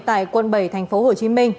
tại quận bảy tp hcm